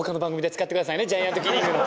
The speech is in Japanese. ジャイアントキリングの。